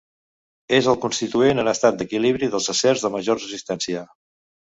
És el constituent en estat d'equilibri dels acers de major resistència.